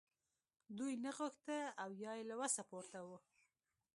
دوی نه غوښتل او یا یې له وسه پورته وه